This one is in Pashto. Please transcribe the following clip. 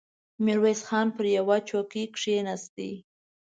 ميرويس خان پر يوه څوکۍ کېناست.